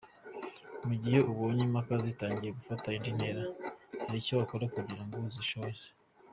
Mu gihe ubonye impaka zitangiye gufata indi ntera, hari icyo wakora kugira ngo uzihoshe.